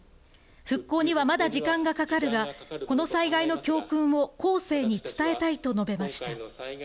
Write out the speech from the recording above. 復興にはまだ時間がかかるが、この災害の教訓を後世に伝えたいと述べました。